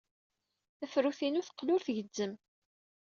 Tafrut-inu teqqel ur tgezzem.